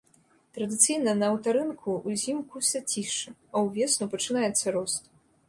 Традыцыйна на аўтарынку ўзімку зацішша, а ўвесну пачынаецца рост.